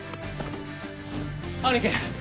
兄貴！